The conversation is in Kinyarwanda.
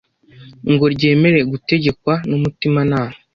ngo ryemere gutegekwa n’umutimanama.